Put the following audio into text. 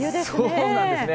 そうなんですね。